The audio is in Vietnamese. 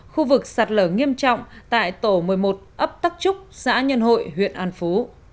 khu vực sạt lở nghiêm trọng tại tổ một mươi một ấp tắc trúc xã nhân hội huyện an phú